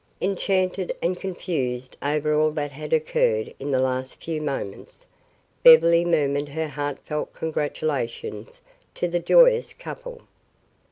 Enchanted and confused over all that had occurred in the last few moments, Beverly murmured her heartfelt congratulations to the joyous couple.